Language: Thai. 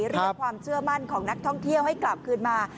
เรียกความเชื่อมั่นของนักท่องเที่ยวให้กลับคืนมา